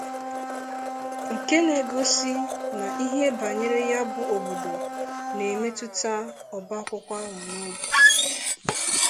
nke na-egosi na ihe banyere ya bụ obodo na-emetụta ọba akwụkwọ ahụ n'obi